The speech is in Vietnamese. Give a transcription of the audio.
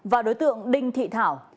và đối tượng đinh thị thảo